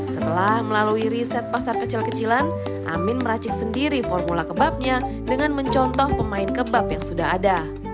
setelah melalui riset pasar kecil kecilan amin meracik sendiri formula kebabnya dengan mencontoh pemain kebab yang sudah ada